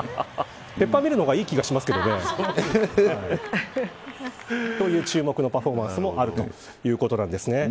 ペッパーミルの方がいい気がしますけどね。という注目のパフォーマンスもあるということなんです。